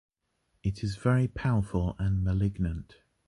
It is very powerful and malignant.